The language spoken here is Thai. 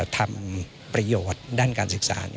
ทำประโยชน์ด้านการศึกษา